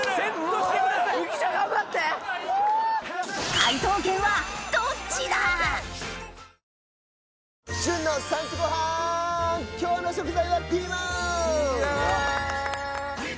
解答権はどっちだ！？問題。